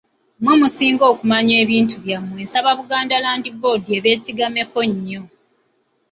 Mmwe musinga okumanya ebitundu byammwe nsaba Buganda Land Board ebeesigameko nnyo.